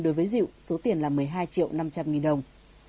đối với diệu số tiền là một mươi hai triệu năm trăm linh nghìn đồng